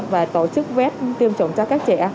và tổ chức vét tiêm chủng cho các trẻ